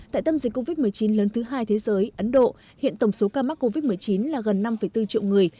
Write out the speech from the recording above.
tại tâm dịch covid một mươi chín lớn thứ hai thế giới ấn độ hiện tổng số ca mắc covid một mươi chín là gần năm bốn triệu người